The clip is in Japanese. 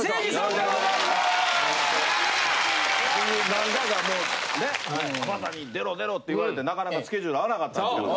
何回かもうね浜田に「出ろ出ろ」って言われてなかなかスケジュール合わなかったんですけど。